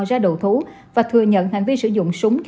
ra đầu thú và thừa nhận hành vi sử dụng súng